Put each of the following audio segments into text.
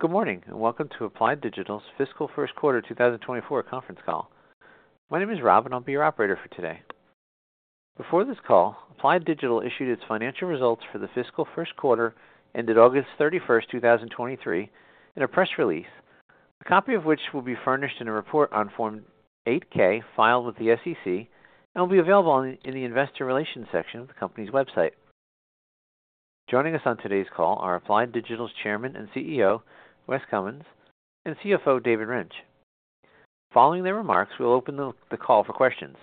Good morning, and welcome to Applied Digital's Fiscal First Quarter 2024 conference call. My name is Rob, and I'll be your operator for today. Before this call, Applied Digital issued its financial results for the fiscal first quarter, ended August 31, 2023, in a press release, a copy of which will be furnished in a report on Form 8-K filed with the SEC and will be available in the Investor Relations section of the company's website. Joining us on today's call are Applied Digital's Chairman and CEO, Wes Cummins, and CFO, David Rench. Following their remarks, we'll open the call for questions.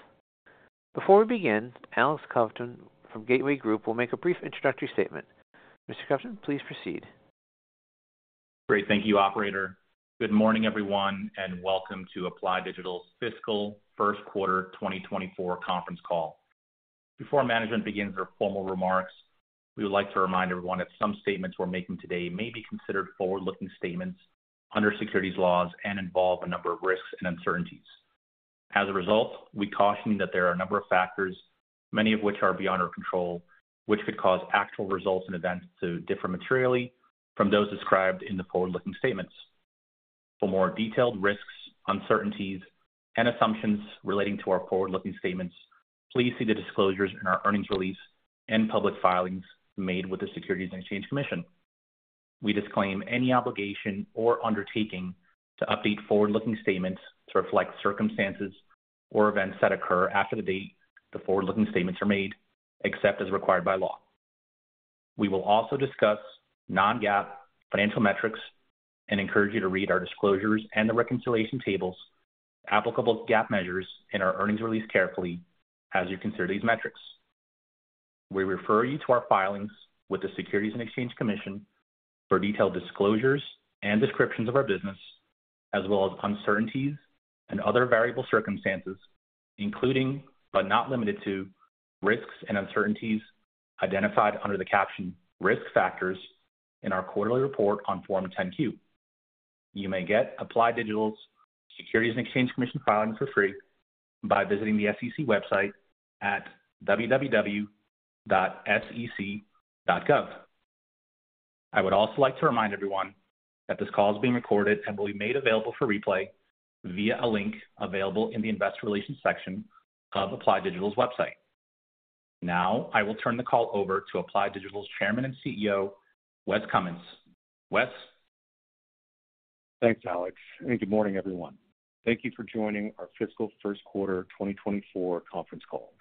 Before we begin, Alex Kovtun from Gateway Group will make a brief introductory statement. Mr. Kovtun, please proceed. Great. Thank you, operator. Good morning, everyone, and welcome to Applied Digital's Fiscal First Quarter 2024 conference call. Before management begins their formal remarks, we would like to remind everyone that some statements we're making today may be considered forward-looking statements under securities laws and involve a number of risks and uncertainties. As a result, we caution you that there are a number of factors, many of which are beyond our control, which could cause actual results and events to differ materially from those described in the forward-looking statements. For more detailed risks, uncertainties, and assumptions relating to our forward-looking statements, please see the disclosures in our earnings release and public filings made with the Securities and Exchange Commission. We disclaim any obligation or undertaking to update forward-looking statements to reflect circumstances or events that occur after the date the forward-looking statements are made, except as required by law. We will also discuss non-GAAP financial metrics and encourage you to read our disclosures and the reconciliation tables, applicable GAAP measures in our earnings release carefully as you consider these metrics. We refer you to our filings with the Securities and Exchange Commission for detailed disclosures and descriptions of our business, as well as uncertainties and other variable circumstances, including, but not limited to, risks and uncertainties identified under the caption Risk Factors in our quarterly report on Form 10-Q. You may get Applied Digital's Securities and Exchange Commission filing for free by visiting the SEC website at www.sec.gov. I would also like to remind everyone that this call is being recorded and will be made available for replay via a link available in the Investor Relations section of Applied Digital's website. Now, I will turn the call over to Applied Digital's Chairman and CEO, Wes Cummins. Wes? Thanks, Alex, and good morning, everyone. Thank you for joining our fiscal first quarter 2024 conference call.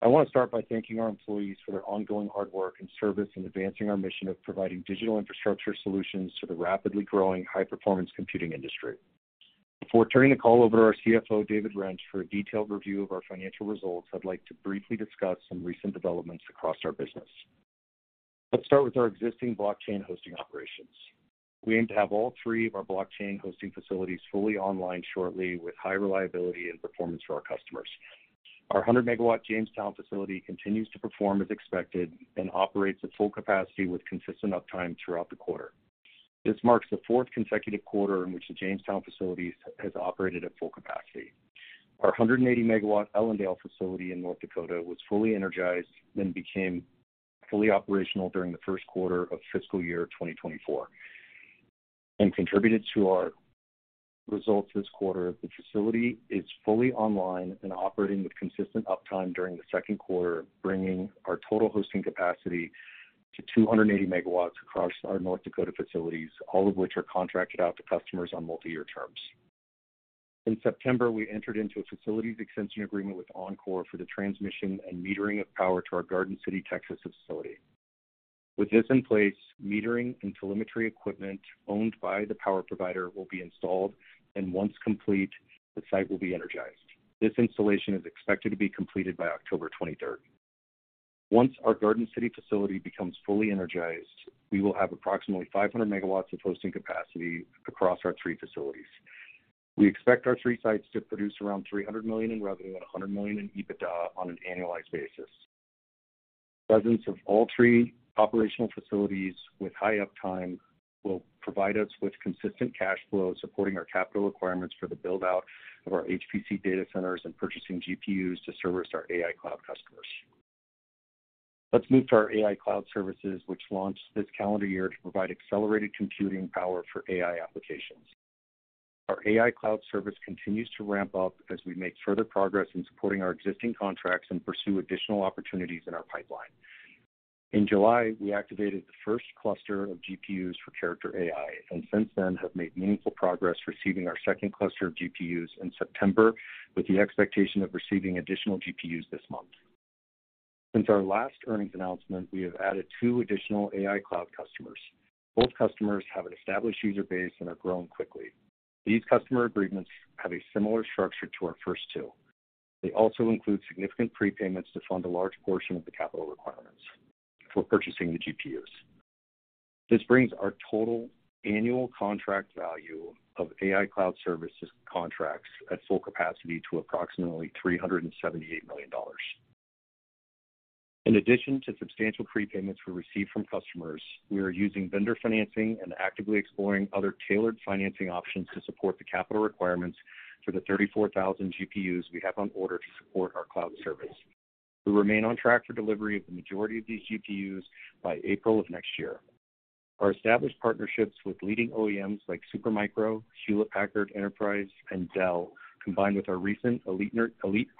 I want to start by thanking our employees for their ongoing hard work and service in advancing our mission of providing digital infrastructure solutions to the rapidly growing high-performance computing industry. Before turning the call over to our CFO, David Rench, for a detailed review of our financial results, I'd like to briefly discuss some recent developments across our business. Let's start with our existing blockchain hosting operations. We aim to have all three of our blockchain hosting facilities fully online shortly, with high reliability and performance for our customers. Our 100-megawatt Jamestown facility continues to perform as expected and operates at full capacity with consistent uptime throughout the quarter. This marks the fourth consecutive quarter in which the Jamestown facilities has operated at full capacity. Our 180-MW Ellendale facility in North Dakota was fully energized and became fully operational during the first quarter of fiscal year 2024 and contributed to our results this quarter. The facility is fully online and operating with consistent uptime during the second quarter, bringing our total hosting capacity to 280 MW across our North Dakota facilities, all of which are contracted out to customers on multi-year terms. In September, we entered into a facilities extension agreement with Oncor for the transmission and metering of power to our Garden City, Texas, facility. With this in place, metering and telemetry equipment owned by the power provider will be installed, and once complete, the site will be energized. This installation is expected to be completed by October 23rd. Once our Garden City facility becomes fully energized, we will have approximately 500 MW of hosting capacity across our three facilities. We expect our three sites to produce around $300 million in revenue and $100 million in EBITDA on an annualized basis. Presence of all three operational facilities with high uptime will provide us with consistent cash flow, supporting our capital requirements for the build-out of our HPC data centers and purchasing GPUs to service our AI cloud customers. Let's move to our AI cloud services, which launched this calendar year to provide accelerated computing power for AI applications. Our AI cloud service continues to ramp up as we make further progress in supporting our existing contracts and pursue additional opportunities in our pipeline. In July, we activated the first cluster of GPUs for Character.AI, and since then, have made meaningful progress, receiving our second cluster of GPUs in September, with the expectation of receiving additional GPUs this month. Since our last earnings announcement, we have added two additional AI cloud customers. Both customers have an established user base and are growing quickly. These customer agreements have a similar structure to our first two. They also include significant prepayments to fund a large portion of the capital requirements for purchasing the GPUs. This brings our total annual contract value of AI cloud services contracts at full capacity to approximately $378 million. In addition to substantial prepayments we receive from customers, we are using vendor financing and actively exploring other tailored financing options to support the capital requirements for the 34,000 GPUs we have on order to support our cloud service. We remain on track for delivery of the majority of these GPUs by April of next year. Our established partnerships with leading OEMs like Supermicro, Hewlett Packard Enterprise, and Dell, combined with our recent Elite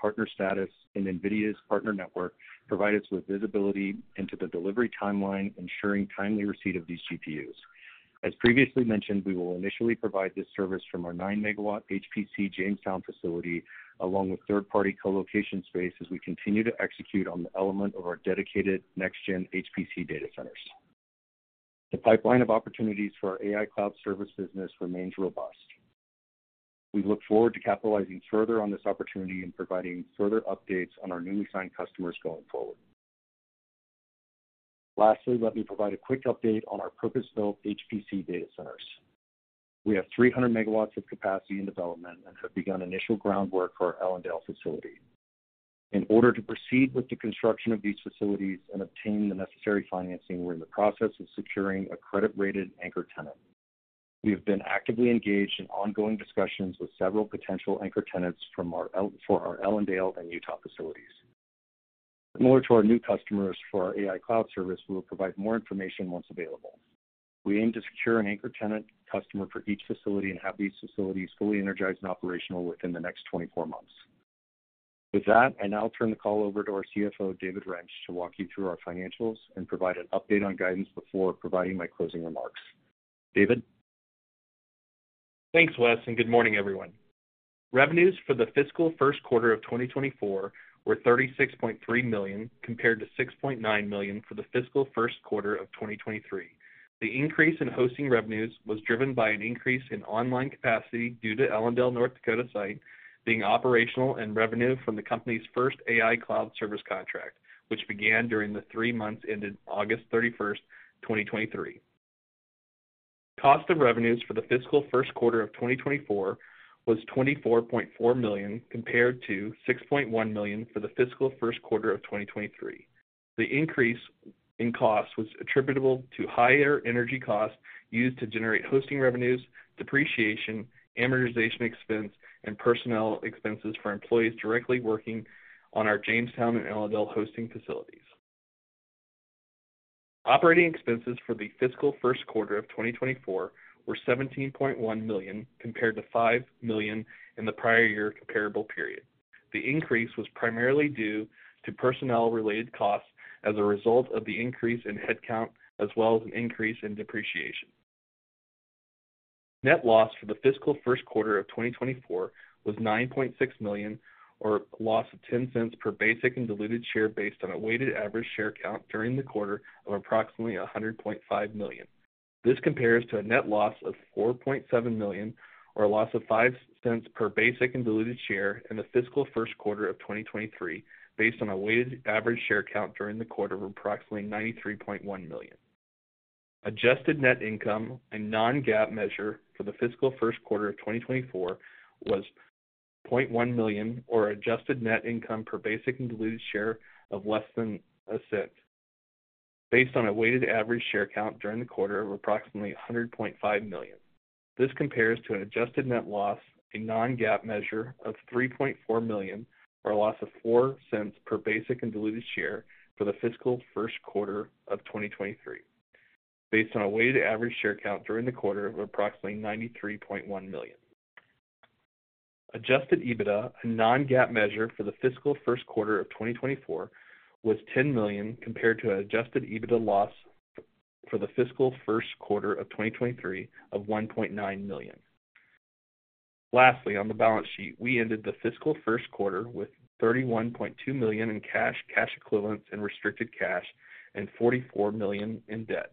partner status in NVIDIA's partner network, provide us with visibility into the delivery timeline, ensuring timely receipt of these GPUs. As previously mentioned, we will initially provide this service from our 9-megawatt HPC Jamestown facility, along with third-party colocation space, as we continue to execute on the element of our dedicated next-gen HPC data centers. The pipeline of opportunities for our AI cloud service business remains robust. We look forward to capitalizing further on this opportunity and providing further updates on our newly signed customers going forward. Lastly, let me provide a quick update on our purpose-built HPC data centers. We have 300 MW of capacity in development and have begun initial groundwork for our Ellendale facility. In order to proceed with the construction of these facilities and obtain the necessary financing, we're in the process of securing a credit-rated anchor tenant. We have been actively engaged in ongoing discussions with several potential anchor tenants for our Ellendale and Utah facilities. Similar to our new customers for our AI cloud service, we will provide more information once available. We aim to secure an anchor tenant customer for each facility and have these facilities fully energized and operational within the next 24 months. With that, I now turn the call over to our CFO, David Rench, to walk you through our financials and provide an update on guidance before providing my closing remarks. David? Thanks, Wes, and good morning, everyone. Revenues for the fiscal first quarter of 2024 were $36.3 million, compared to $6.9 million for the fiscal first quarter of 2023. The increase in hosting revenues was driven by an increase in online capacity due to Ellendale, North Dakota, site being operational and revenue from the company's first AI cloud service contract, which began during the three months ended August 31, 2023. Cost of revenues for the fiscal first quarter of 2024 was $24.4 million, compared to $6.1 million for the fiscal first quarter of 2023. The increase in costs was attributable to higher energy costs used to generate hosting revenues, depreciation, amortization expense, and personnel expenses for employees directly working on our Jamestown and Ellendale hosting facilities. Operating expenses for the fiscal first quarter of 2024 were $17.1 million, compared to $5 million in the prior year comparable period. The increase was primarily due to personnel-related costs as a result of the increase in headcount, as well as an increase in depreciation. Net loss for the fiscal first quarter of 2024 was $9.6 million, or a loss of $0.10 per basic and diluted share, based on a weighted average share count during the quarter of approximately 100.5 million. This compares to a net loss of $4.7 million, or a loss of $0.05 per basic and diluted share in the fiscal first quarter of 2023, based on a weighted average share count during the quarter of approximately 93.1 million. Adjusted net income, a non-GAAP measure for the fiscal first quarter of 2024, was $0.1 million, or adjusted net income per basic and diluted share of less than $0.01, based on a weighted average share count during the quarter of approximately 100.5 million. This compares to an adjusted net loss, a non-GAAP measure of $3.4 million, or a loss of $0.04 per basic and diluted share for the fiscal first quarter of 2023, based on a weighted average share count during the quarter of approximately 93.1 million. Adjusted EBITDA, a non-GAAP measure for the fiscal first quarter of 2024, was $10 million, compared to an adjusted EBITDA loss for the fiscal first quarter of 2023 of $1.9 million. Lastly, on the balance sheet, we ended the fiscal first quarter with $31.2 million in cash, cash equivalents, and restricted cash, and $44 million in debt.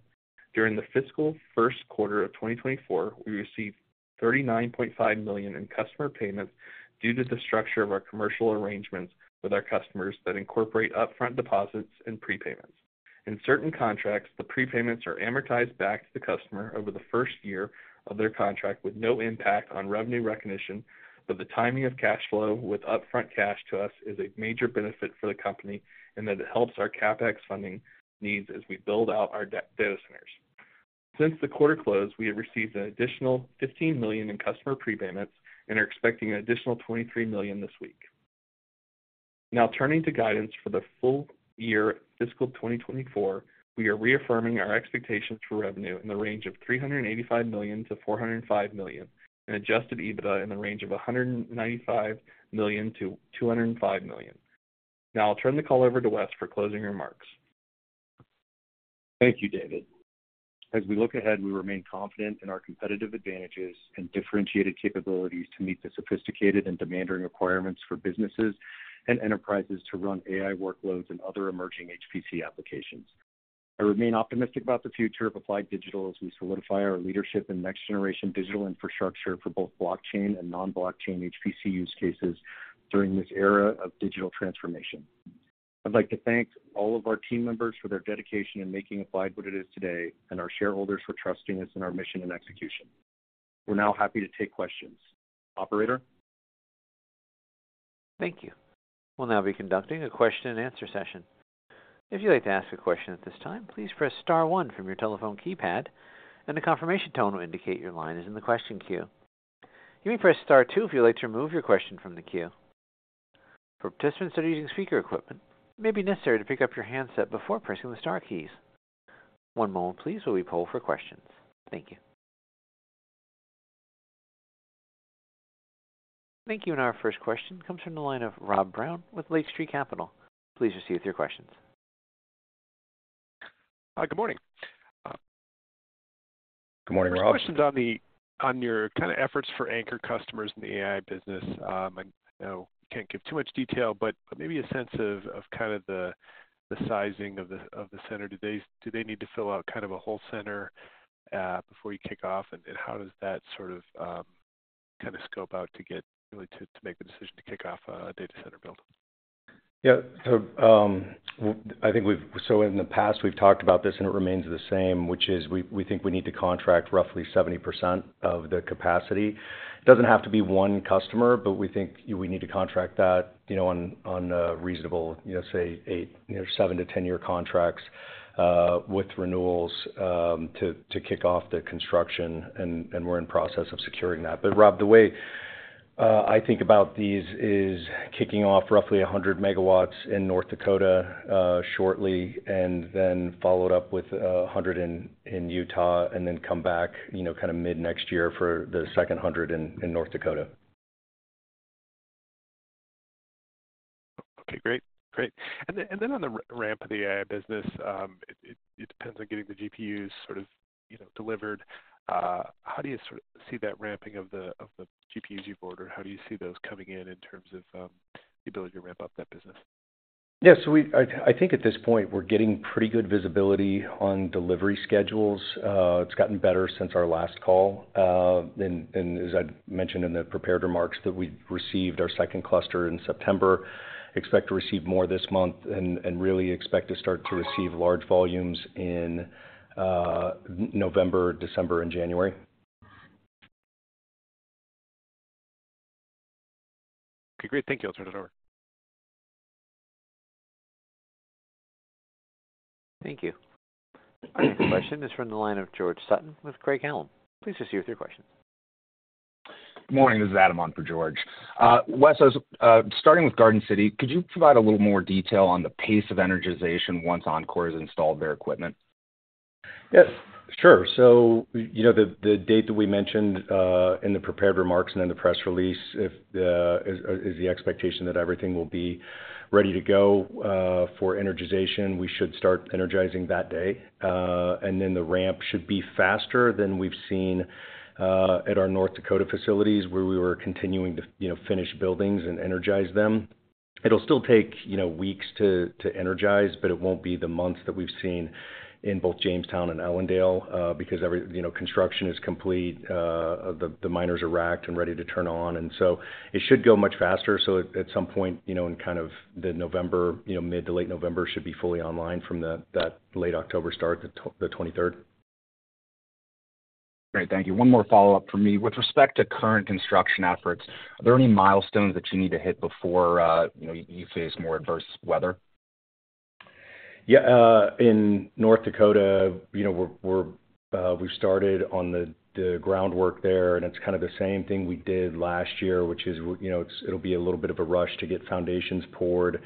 During the fiscal first quarter of 2024, we received $39.5 million in customer payments due to the structure of our commercial arrangements with our customers that incorporate upfront deposits and prepayments. In certain contracts, the prepayments are amortized back to the customer over the first year of their contract with no impact on revenue recognition. But the timing of cash flow with upfront cash to us is a major benefit for the company, and that it helps our CapEx funding needs as we build out our data centers. Since the quarter close, we have received an additional $15 million in customer prepayments and are expecting an additional $23 million this week. Now, turning to guidance for the full year fiscal 2024, we are reaffirming our expectations for revenue in the range of $385 million-$405 million, and Adjusted EBITDA in the range of $195 million-$205 million. Now I'll turn the call over to Wes for closing remarks. Thank you, David. As we look ahead, we remain confident in our competitive advantages and differentiated capabilities to meet the sophisticated and demanding requirements for businesses and enterprises to run AI workloads and other emerging HPC applications. I remain optimistic about the future of Applied Digital as we solidify our leadership in next-generation digital infrastructure for both blockchain and non-blockchain HPC use cases during this era of digital transformation. I'd like to thank all of our team members for their dedication in making Applied what it is today, and our shareholders for trusting us in our mission and execution. We're now happy to take questions. Operator? Thank you. We'll now be conducting a question and answer session. If you'd like to ask a question at this time, please press star one from your telephone keypad, and a confirmation tone will indicate your line is in the question queue... You may press star two if you'd like to remove your question from the queue. For participants that are using speaker equipment, it may be necessary to pick up your handset before pressing the star keys. One moment please, while we poll for questions. Thank you. Thank you. Our first question comes from the line of Rob Brown with Lake Street Capital. Please proceed with your questions. Good morning. Good morning, Rob. First question's on your efforts for anchor customers in the AI business. I know you can't give too much detail, but, but maybe a sense of the sizing of the center. Do they need to fill out a whole center before you kick off? And how does that sort of kind of scope out to get really to make the decision to kick off a data center build? Yeah. So, I think we've so in the past, we've talked about this, and it remains the same, which is we, we think we need to contract roughly 70% of the capacity. It doesn't have to be one customer, but we think we need to contract that, you know, on, on a reasonable, you know, say, 8, you know, 7-10-year contracts, with renewals, to, to kick off the construction, and, and we're in process of securing that. But Rob, the way I think about these is kicking off roughly 100 MW in North Dakota, shortly, and then followed up with, a 100 in, in Utah, and then come back, you know, kind of mid-next year for the second 100 in, in North Dakota. Okay, great. Great. And then on the ramp of the AI business, it depends on getting the GPUs sort of, you know, delivered. How do you sort of see that ramping of the GPUs you've ordered? How do you see those coming in, in terms of the ability to ramp up that business? Yeah. We-- I think at this point, we're getting pretty good visibility on delivery schedules. It's gotten better since our last call. As I mentioned in the prepared remarks, we received our second cluster in September. Expect to receive more this month and really expect to start to receive large volumes in November, December, and January. Okay, great. Thank you. I'll turn it over. Thank you. Our next question is from the line of George Sutton with Craig-Hallum. Please proceed with your question. Good morning. This is Adam on for George. Wes, starting with Garden City, could you provide a little more detail on the pace of energization once Oncor has installed their equipment? Yes, sure. You know, the date that we mentioned in the prepared remarks and in the press release is the expectation that everything will be ready to go for energization. We should start energizing that day, and then the ramp should be faster than we've seen at our North Dakota facilities, where we were continuing to, you know, finish buildings and energize them. It'll still take, you know, weeks to energize, but it won't be the months that we've seen in both Jamestown and Ellendale, because every, you know, construction is complete, the miners are racked and ready to turn on, and so it should go much faster. So at some point, you know, in kind of November, you know, mid- to late November, should be fully online from the, that late October start, the 23rd. Great. Thank you. One more follow-up for me. With respect to current construction efforts, are there any milestones that you need to hit before, you know, you face more adverse weather? Yeah, in North Dakota, you know, we're... We've started on the groundwork there, and it's kind of the same thing we did last year, which is, you know, it's- it'll be a little bit of a rush to get foundations poured,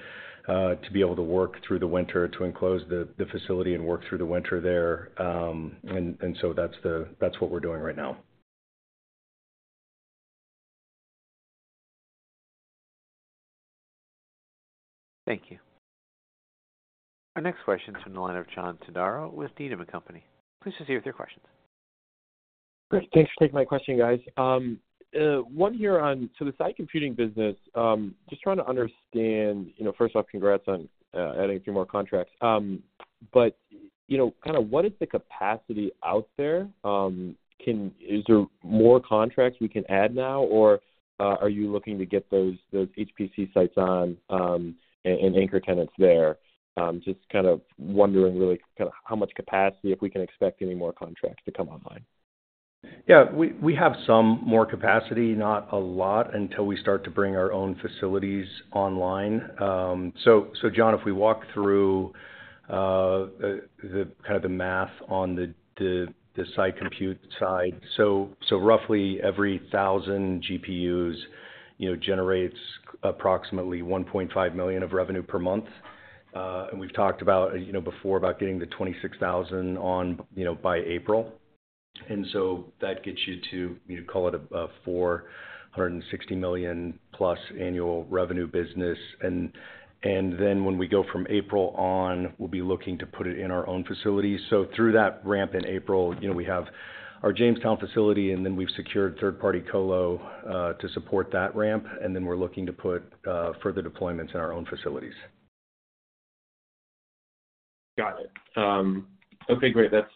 to be able to work through the winter, to enclose the facility and work through the winter there. And so that's what we're doing right now. Thank you. Our next question is from the line of John Todaro with Needham and Company. Please proceed with your questions. Great. Thanks for taking my question, guys. One here on the Sai Computing business, just trying to understand, you know, first off, congrats on adding a few more contracts. You know, kind of what is the capacity out there? Can- is there more contracts we can add now, or are you looking to get those, those HPC sites on, and anchor tenants there? Just kind of wondering really kind of how much capacity, if we can expect any more contracts to come online. Yeah, we have some more capacity, not a lot, until we start to bring our own facilities online. So, John, if we walk through the kind of the math on the site compute side. So, roughly every 1,000 GPUs, you know, generates approximately $1.5 million of revenue per month. And we've talked about, you know, before, about getting to 26,000 on, you know, by April. And so that gets you to, you know, call it a $460 million plus annual revenue business. And then when we go from April on, we'll be looking to put it in our own facilities. So through that ramp in April, you know, we have our Jamestown facility, and then we've secured third-party colo to support that ramp, and then we're looking to put further deployments in our own facilities. Got it. Okay, great. That's,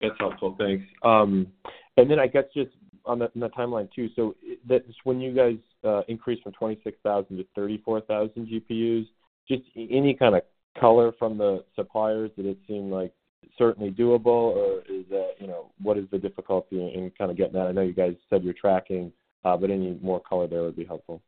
that's helpful. Thanks. And then I guess just on the, the timeline too, so that when you guys increased from 26,000 to 34,000 GPUs, just any kind of color from the suppliers, did it seem like certainly doable, or is that, you know, what is the difficulty in kind of getting that? I know you guys said you're tracking, but any more color there would be helpful.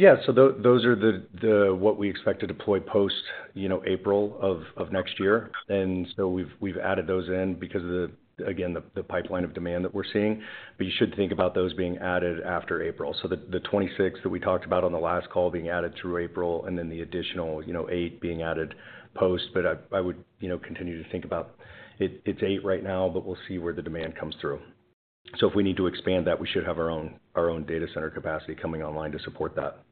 Yeah. Those are what we expect to deploy post, you know, April of next year. We've added those in because of, again, the pipeline of demand that we're seeing. You should think about those being added after April. The 26 that we talked about on the last call being added through April, and then the additional, you know, 8 being added post. I would, you know, continue to think about it—it's 8 right now, but we'll see where the demand comes through. If we need to expand that, we should have our own data center capacity coming online to support that.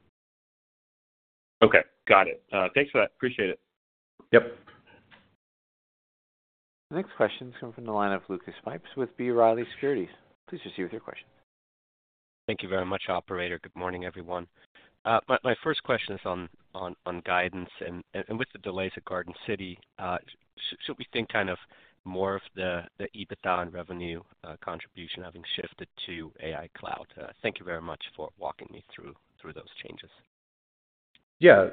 Okay, got it. Thanks for that. Appreciate it. Yep. The next question comes from the line of Lucas Pipes with B. Riley Securities. Please proceed with your question. Thank you very much, operator. Good morning, everyone. My first question is on guidance, and with the delays at Garden City, should we think kind of more of the EBITDA and revenue contribution having shifted to AI Cloud? Thank you very much for walking me through those changes. Yeah.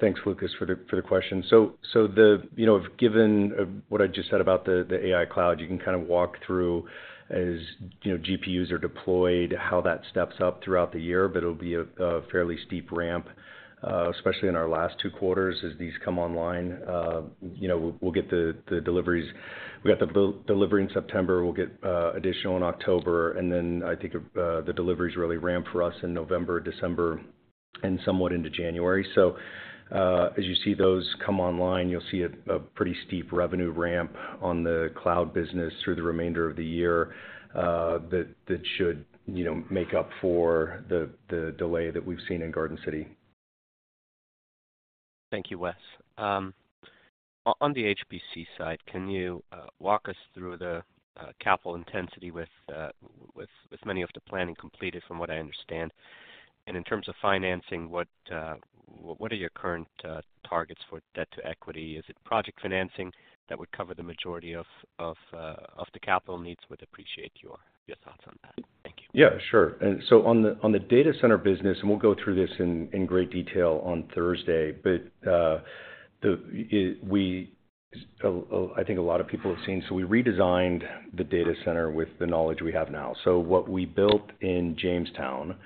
Thanks, Lucas, for the question. So the... You know, given what I just said about the AI cloud, you can kind of walk through, as you know, GPUs are deployed, how that steps up throughout the year, but it'll be a fairly steep ramp, especially in our last two quarters as these come online. You know, we'll get the deliveries. We got the delivery in September, we'll get additional in October, and then I think the deliveries really ramp for us in November, December, and somewhat into January. So, as you see those come online, you'll see a pretty steep revenue ramp on the cloud business through the remainder of the year, that should, you know, make up for the delay that we've seen in Garden City. Thank you, Wes. On the HPC side, can you walk us through the capital intensity with many of the planning completed, from what I understand? In terms of financing, what are your current targets for debt to equity? Is it project financing that would cover the majority of the capital needs? I would appreciate your thoughts on that. Thank you. Yeah, sure. And so on the data center business, and we'll go through this in great detail on Thursday, but I think a lot of people have seen, so we redesigned the data center with the knowledge we have now. So what we built in Jamestown,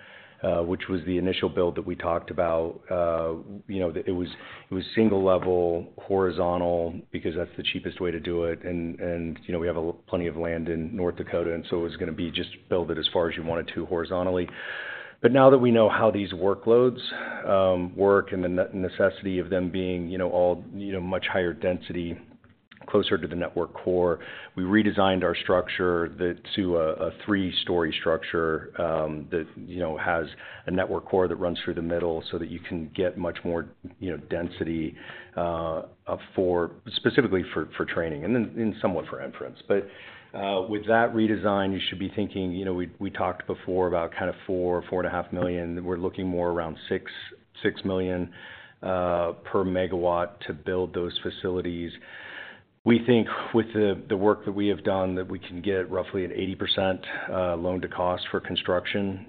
which was the initial build that we talked about, you know, it was single level, horizontal, because that's the cheapest way to do it. And, you know, we have plenty of land in North Dakota, and so it was gonna be just build it as far as you wanted to horizontally. Now that we know how these workloads work and the necessity of them being, you know, all, you know, much higher density, closer to the network core, we redesigned our structure to a three-story structure that, you know, has a network core that runs through the middle so that you can get much more, you know, density, specifically for training and then, and somewhat for inference. With that redesign, you should be thinking, you know, we talked before about kind of $4 million-$4.5 million. We're looking more around $6 million-$6 million per megawatt to build those facilities. We think with the work that we have done, that we can get roughly at 80% loan to cost for construction.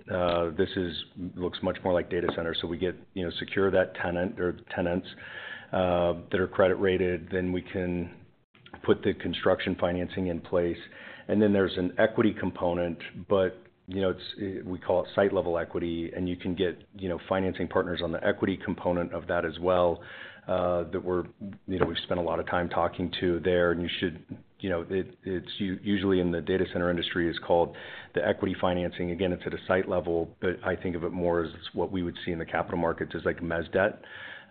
This looks much more like data center. So we get, you know, secure that tenant or tenants, that are credit rated, then we can put the construction financing in place. And then there's an equity component, but, you know, it's, we call it site-level equity, and you can get, you know, financing partners on the equity component of that as well, that we're, you know, we've spent a lot of time talking to there. And you should, you know, it, it's usually in the data center industry, it's called the equity financing. Again, it's at a site level, but I think of it more as what we would see in the capital markets as like mezz debt.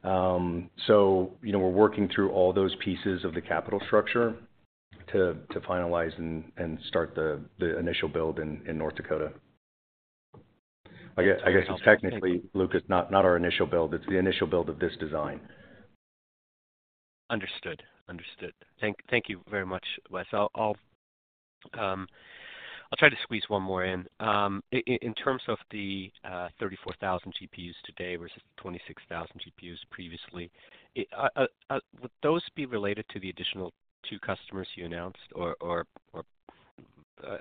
So, you know, we're working through all those pieces of the capital structure to finalize and start the initial build in North Dakota. I guess it's technically, Lucas, not our initial build. It's the initial build of this design. Understood. Understood. Thank you very much, Wes. I'll try to squeeze one more in. In terms of the 34,000 GPUs today versus 26,000 GPUs previously, would those be related to the additional two customers you announced or are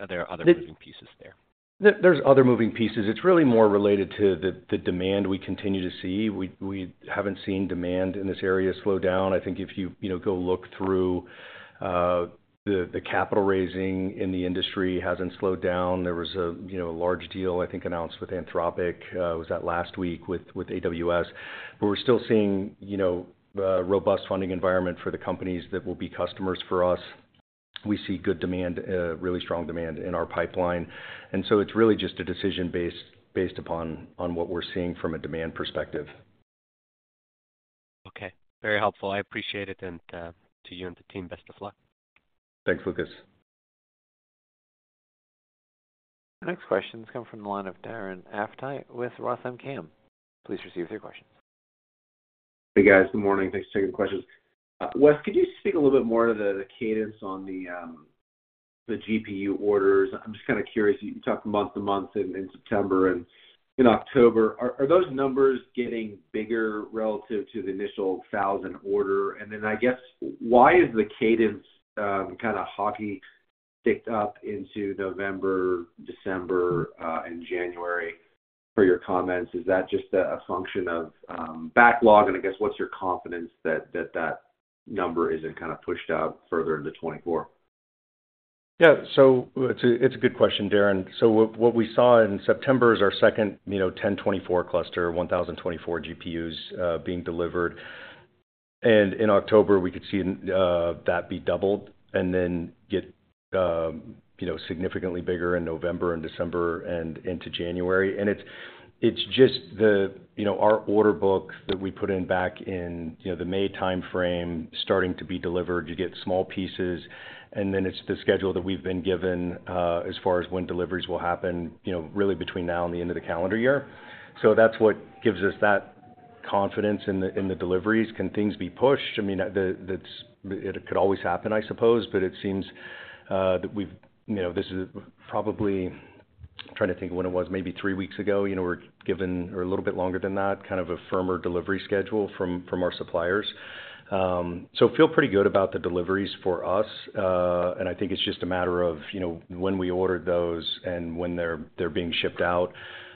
there other moving pieces there? There, there's other moving pieces. It's really more related to the demand we continue to see. We haven't seen demand in this area slow down. I think if you know, go look through the capital raising in the industry hasn't slowed down. There was a, you know, large deal, I think, announced with Anthropic was that last week with AWS. But we're still seeing, you know, robust funding environment for the companies that will be customers for us. We see good demand, really strong demand in our pipeline, and so it's really just a decision based upon what we're seeing from a demand perspective. Okay. Very helpful. I appreciate it, and to you and the team, best of luck. Thanks, Lucas. Next question come from the line of Darren Aftahi with Roth MKM. Please receive your question. Hey, guys. Good morning. Thanks for taking the questions. Wes, could you speak a little bit more to the cadence on the GPU orders? I'm just kind of curious. You talked month to month in September and in October. Are those numbers getting bigger relative to the initial 1,000 order? I guess, why is the cadence kind of hockey sticked up into November, December, and January per your comments? Is that just a function of backlog? I guess, what's your confidence that that number isn't kind of pushed out further into 2024? Yeah. So it's a good question, Darren. So what we saw in September is our second, you know, 1,024 cluster, 1,024 GPUs, being delivered. And in October, we could see that be doubled and then get, you know, significantly bigger in November and December and into January. And it's just the, you know, our order book that we put in back in, you know, the May timeframe starting to be delivered. You get small pieces, and then it's the schedule that we've been given, as far as when deliveries will happen, you know, really between now and the end of the calendar year. So that's what gives us that confidence in the deliveries. Can things be pushed? I mean, it could always happen, I suppose, but it seems that we've, you know, this is probably, trying to think of when it was, maybe three weeks ago, you know, we're given or a little bit longer than that, kind of a firmer delivery schedule from our suppliers. So feel pretty good about the deliveries for us. And I think it's just a matter of, you know, when we ordered those and when they're being shipped out,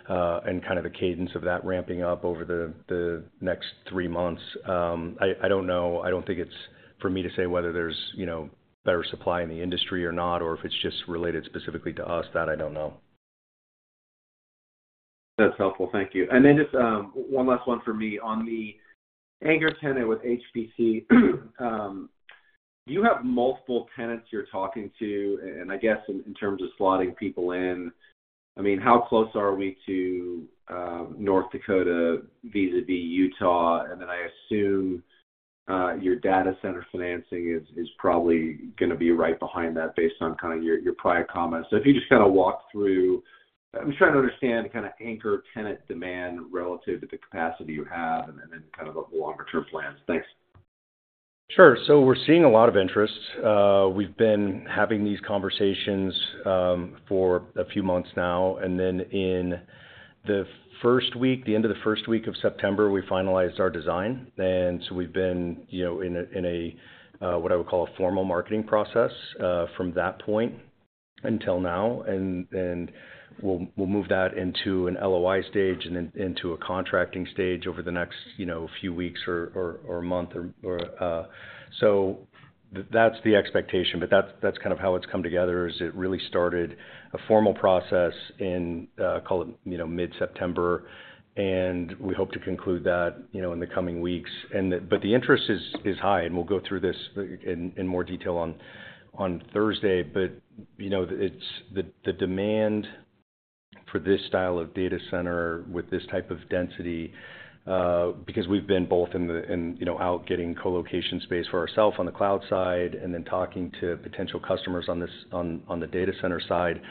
and kind of the cadence of that ramping up over the next three months. I don't know. I don't think it's for me to say whether there's, you know, better supply in the industry or not, or if it's just related specifically to us. That, I don't know. That's helpful. Thank you. And then just, one last one for me. On the anchor tenant with HPC, do you have multiple tenants you're talking to? And I guess in terms of slotting people in, I mean, how close are we to, North Dakota vis-a-vis Utah? And then I assume, your data center financing is probably gonna be right behind that based on kinda your, your prior comments. So if you just kinda walk through... I'm just trying to understand kinda anchor tenant demand relative to the capacity you have and then kind of the longer-term plans. Thanks. Sure. So we're seeing a lot of interest. We've been having these conversations for a few months now, and then in the first week, the end of the first week of September, we finalized our design. And so we've been, you know, in a what I would call a formal marketing process from that point until now. And we'll move that into an LOI stage and then into a contracting stage over the next, you know, few weeks or month. So that's the expectation, but that's kind of how it's come together, is it really started a formal process in call it, you know, mid-September, and we hope to conclude that, you know, in the coming weeks. But the interest is high, and we'll go through this in more detail on Thursday. But, you know, it's the demand for this style of data center with this type of density, because we've been both in the, you know, out getting colocation space for ourselves on the cloud side and then talking to potential customers on this, on the data center side,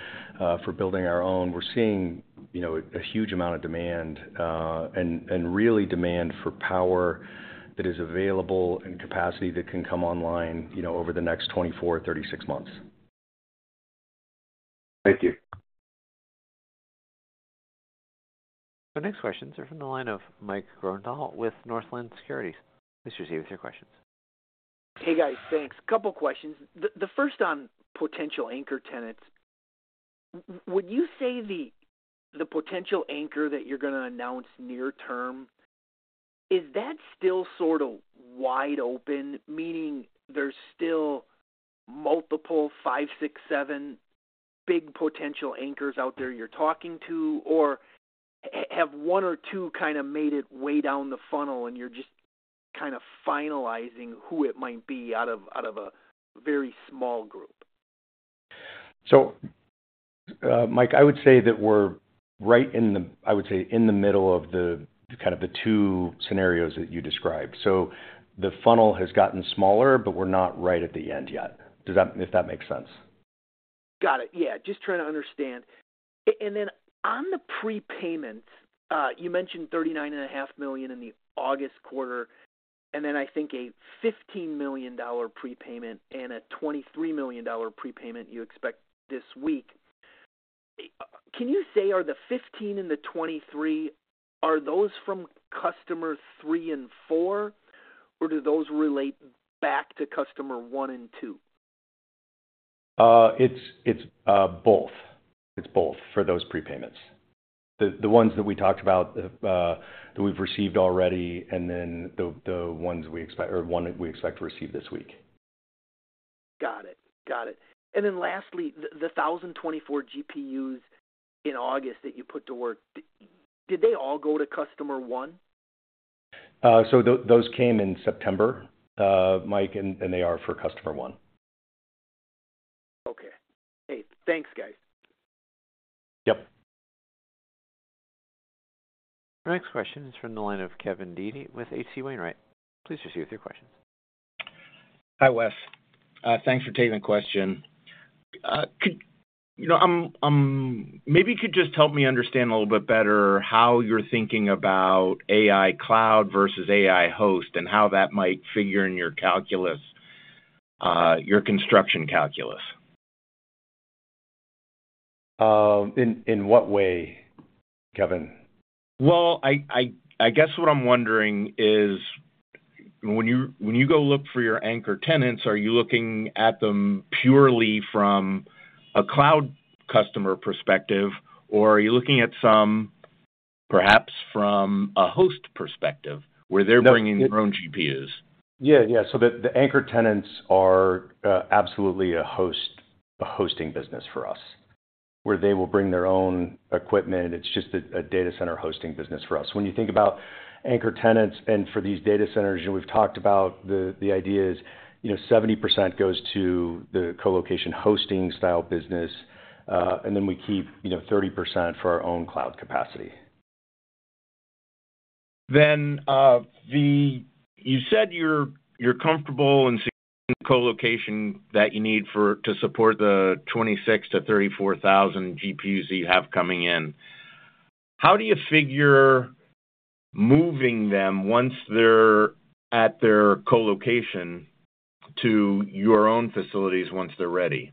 for building our own. We're seeing, you know, a huge amount of demand, and really demand for power that is available and capacity that can come online, you know, over the next 24-36 months. Thank you. The next question is from the line of Mike Grondahl with Northland Securities. Please proceed with your questions. Hey, guys. Thanks. A couple questions. The first on potential anchor tenants. Would you say the potential anchor that you're gonna announce near term is that still sort of wide open, meaning there's still multiple 5, 6, 7 big potential anchors out there you're talking to? Or have one or two kinda made it way down the funnel, and you're just kind of finalizing who it might be out of a very small group? So, Mike, I would say that we're right in the, I would say, in the middle of the kind of the two scenarios that you described. So the funnel has gotten smaller, but we're not right at the end yet. Does that... If that makes sense. Got it. Yeah, just trying to understand. And then on the prepayment, you mentioned $39.5 million in the August quarter, and then I think a $15 million prepayment and a $23 million prepayment you expect this week. Can you say, are the $15 and the $23, are those from customer 3 and 4, or do those relate back to customer 1 and 2? It's both. It's both for those prepayments. The ones that we talked about that we've received already, and then the ones we expect or one we expect to receive this week. Got it. Got it. And then lastly, the 1,024 GPUs in August that you put to work, did they all go to customer one? So those came in September, Mike, and they are for Customer One. Okay. Hey, thanks, guys. Yep. Our next question is from the line of Kevin Dede with H.C. Wainwright. Please proceed with your questions. Hi, Wes. Thanks for taking the question. You know, maybe you could just help me understand a little bit better how you're thinking about AI cloud versus AI host, and how that might figure in your calculus, your construction calculus. In what way, Kevin? Well, I guess what I'm wondering is when you go look for your anchor tenants, are you looking at them purely from a cloud customer perspective, or are you looking at perhaps from a host perspective, where they're bringing their own GPUs? Yeah, yeah. So the anchor tenants are absolutely a hosting business for us, where they will bring their own equipment. It's just a data center hosting business for us. When you think about anchor tenants and for these data centers, you know, we've talked about the idea is, you know, 70% goes to the colocation hosting style business, and then we keep, you know, 30% for our own cloud capacity. You said you're comfortable in seeking colocation that you need for to support the 26,000-34,000 GPUs you have coming in. How do you figure moving them once they're at their colocation to your own facilities, once they're ready?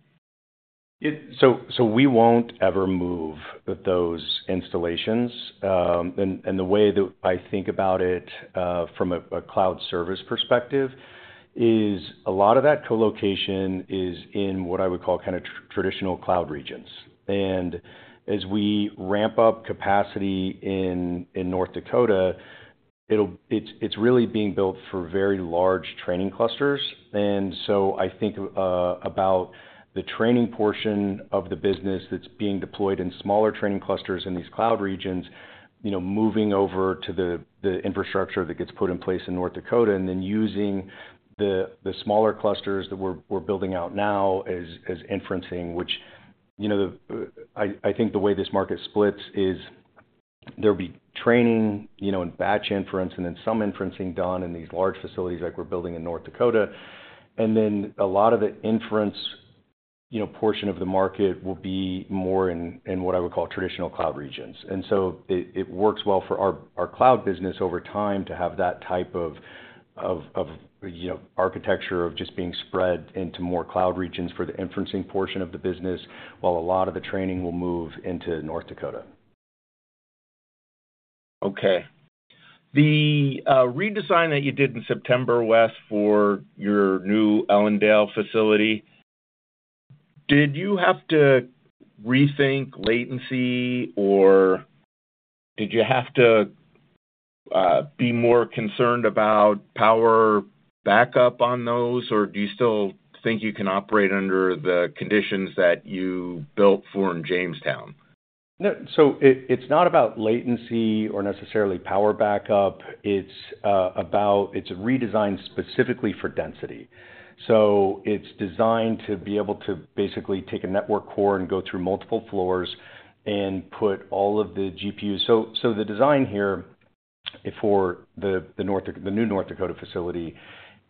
So, we won't ever move those installations. And the way that I think about it from a cloud service perspective is a lot of that colocation is in what I would call kind of traditional cloud regions. And as we ramp up capacity in North Dakota, it's really being built for very large training clusters. And so I think about the training portion of the business that's being deployed in smaller training clusters in these cloud regions, you know, moving over to the infrastructure that gets put in place in North Dakota, and then using the smaller clusters that we're building out now as inferencing. Which, you know, I think the way this market splits is there'll be training, you know, and batch inference, and then some inferencing done in these large facilities like we're building in North Dakota. And then a lot of the inference, you know, portion of the market will be more in what I would call traditional cloud regions. And so it works well for our cloud business over time to have that type of, you know, architecture of just being spread into more cloud regions for the inferencing portion of the business, while a lot of the training will move into North Dakota. Okay. The redesign that you did in September, Wes, for your new Ellendale facility, did you have to rethink latency, or did you have to be more concerned about power backup on those? Or do you still think you can operate under the conditions that you built for in Jamestown? No, so it, it's not about latency or necessarily power backup. It's about... It's redesigned specifically for density. So it's designed to be able to basically take a network core and go through multiple floors and put all of the GPUs. So the design here for the new North Dakota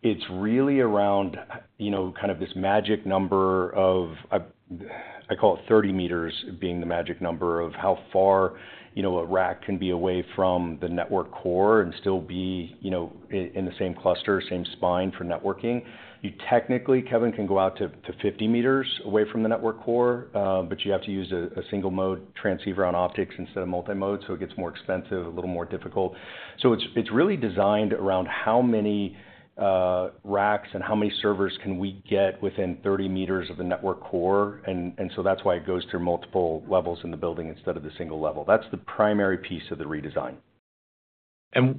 facility, it's really around, you know, kind of this magic number of, I call it 30 meters, being the magic number of how far, you know, a rack can be away from the network core and still be, you know, in the same cluster, same spine for networking. You technically, Kevin, can go out to 50 meters away from the network core, but you have to use a single-mode transceiver on optics instead of multi-mode, so it gets more expensive, a little more difficult. So it's, it's really designed around how many racks and how many servers can we get within 30 meters of the network core, and, and so that's why it goes through multiple levels in the building instead of the single level. That's the primary piece of the redesign.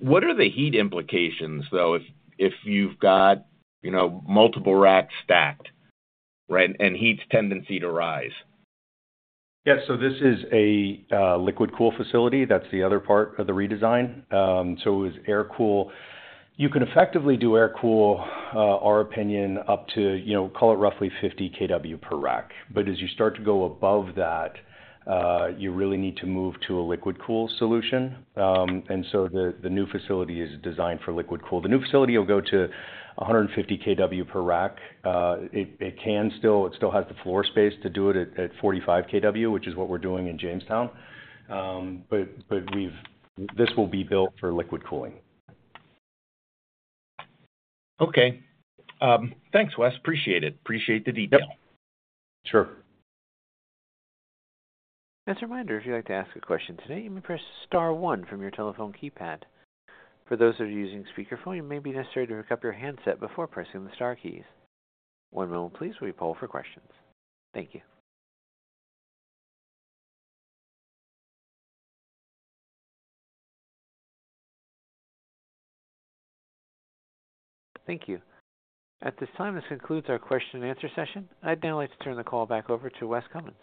What are the heat implications, though, if you've got, you know, multiple racks stacked, right, and heat's tendency to rise? Yeah. So this is a liquid cool facility. That's the other part of the redesign. So it was air cool. You can effectively do air cool, our opinion, up to, you know, call it roughly 50 kW per rack. But as you start to go above that, you really need to move to a liquid cool solution. And so the new facility is designed for liquid cool. The new facility will go to 150 kW per rack. It can still, it still has the floor space to do it at 45 kW, which is what we're doing in Jamestown. But, but we've-- this will be built for liquid cooling. Okay. Thanks, Wes. Appreciate it. Appreciate the detail. Yep. Sure. As a reminder, if you'd like to ask a question today, you may press star one from your telephone keypad. For those of you using speaker phone, it may be necessary to pick up your handset before pressing the star keys. One moment please, while we poll for questions. Thank you. Thank you. At this time, this concludes our question and answer session. I'd now like to turn the call back over to Wes Cummins.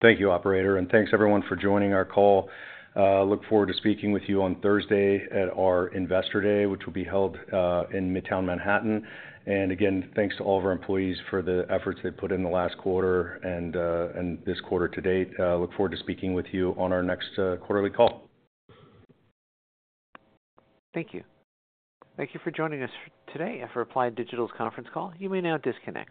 Thank you, operator, and thanks everyone for joining our call. Look forward to speaking with you on Thursday at our Investor Day, which will be held in Midtown Manhattan. Again, thanks to all of our employees for the efforts they put in the last quarter and this quarter to date. Look forward to speaking with you on our next quarterly call. Thank you. Thank you for joining us today for Applied Digital's conference call. You may now disconnect.